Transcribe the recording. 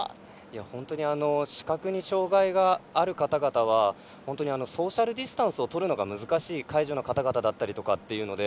本当に視覚に障がいがある方々はソーシャルディスタンスをとるのが難しい介助の方々だったりというので。